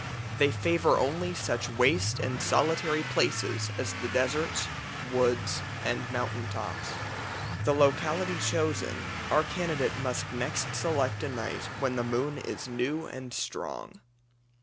They favour only such waste and solitary places as the deserts, woods, and mountain tops. The locality chosen, our candidate must next select a night when the moon is new and strong.